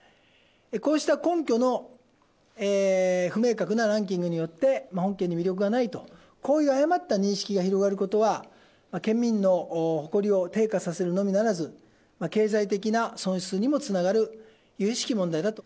こうした根拠の不明確なランキングによって、本県に魅力がないと、こういう誤った認識が広がることは、県民の誇りを低下させるのみならず、経済的な損失にもつながるゆゆしき問題だと。